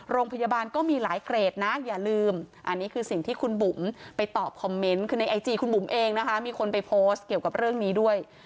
โรงพยาบาลก็มีหลายเกรดนะอย่าลืมอันนี้คือสิ่งที่คุณบุ๋มไปตอบคอมเมนต์คือในไอจีคุณบุ๋มเองนะคะมีคนไปโพสต์เกี่ยวกับเรื่องนี้ด้วย